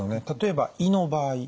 例えば胃の場合。